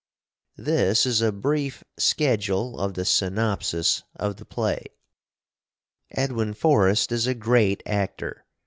This is a breef skedule of the synopsis of the play. Edwin Forrest is a grate acter.